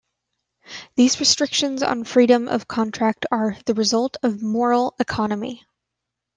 These restrictions on freedom of contract are the results of moral economy.